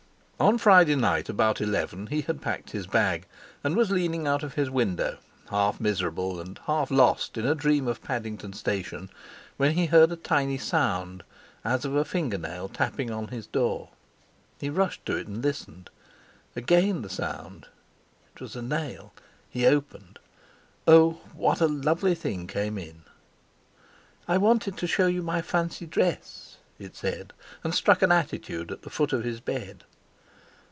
On Friday night about eleven he had packed his bag, and was leaning out of his window, half miserable, and half lost in a dream of Paddington station, when he heard a tiny sound, as of a finger nail tapping on his door. He rushed to it and listened. Again the sound. It was a nail. He opened. Oh! What a lovely thing came in! "I wanted to show you my fancy dress," it said, and struck an attitude at the foot of his bed.